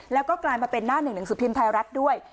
แล้วก็กลายมาเป็นน่า๑๑สุภิมพ์ไทยรัฐด้วย